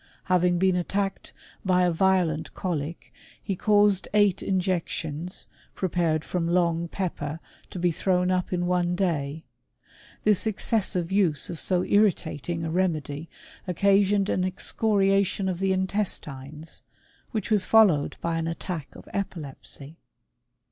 Having been attacked by a violent colic, he caused eight injections, prepared from long pepper, to be thrown up in one day. Tliis excessive use of so irritating a remedy, occasioned an excoriation of the intestines, which was followed by an attack of epilepsy.